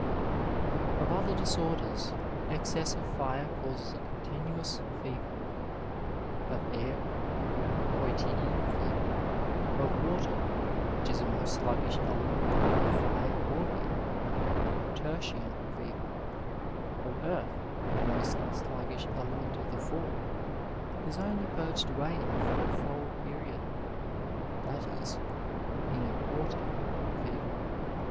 Of other disorders, excess of fire causes a ccxitinuous fever ; of air, quotidian fever ; of water, which is a more sluggish element than either fire or air, tertian fever ; of earth, the most sluggish element of the four, is only purged away in a four fold period, that ia in a quartan fever.